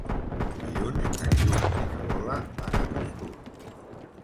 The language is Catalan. Dilluns en Lluc i na Lola van a Costur.